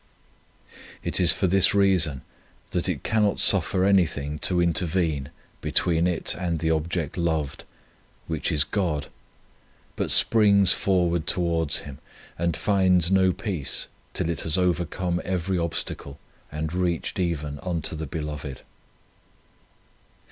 It is for this reason that it cannot suffer anything to intervene between it and the object loved, which is God, but springs 1 i John iv. 8. 77 On Union with God forward towards Him, and finds no peace till it has overcome every obstacle, and reached even unto the Beloved.